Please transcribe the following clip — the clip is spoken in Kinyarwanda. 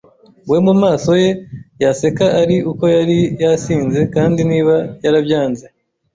we mumaso ye, yaseka ari uko yari yasinze, kandi niba yarabyanze